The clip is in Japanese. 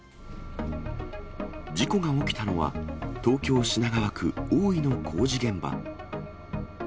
事故が起きたのは、東京・品川区大井の工事現場。